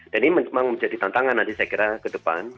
dan ini memang menjadi tantangan nanti saya kira ke depan